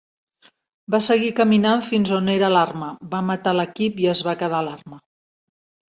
Va seguir caminant fins on era l'arma, va matar l'equip i es va quedar l'arma.